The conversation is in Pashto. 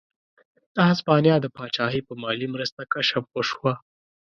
د هسپانیا د پاچاهۍ په مالي مرسته کشف وشوه.